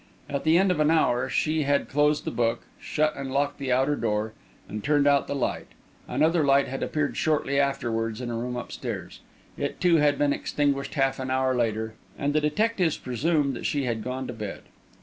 At the end of an hour, she had closed the book, shut and locked the outer door, and turned out the light. Another light had appeared shortly afterwards in a room upstairs. It, too, had been extinguished half an hour later, and the detectives presumed that she had gone to bed.